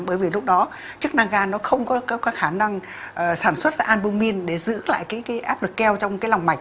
bởi vì lúc đó chức năng gan nó không có khả năng sản xuất ra albumin để giữ lại cái áp lực keo trong cái lòng mạch